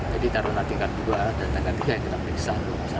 jadi taruna tingkat dua dan tingkat tiga yang kita periksa